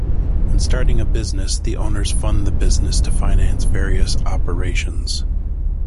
When starting a business, the owners fund the business to finance various operations.